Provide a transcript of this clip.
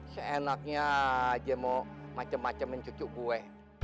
seenaknya aja mau macem macemin cucuk gue